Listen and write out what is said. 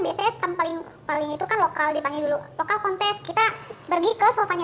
biasanya paling itu kan lokal dipanggil dulu lokal kontes kita pergi ke sofa nya